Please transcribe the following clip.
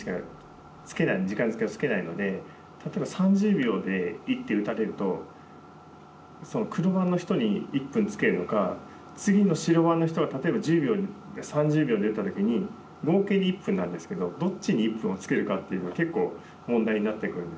例えば３０秒で１手打たれると黒番の人に１分付けるのか次の白番の人が例えば３０秒で打った時に合計で１分なんですけどどっちに１分を付けるかっていうのが結構問題になってくるんですけど。